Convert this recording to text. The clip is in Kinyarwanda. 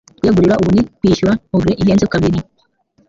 Kwiyegurira ubu ni kwishyura ogre ihenze kabiri.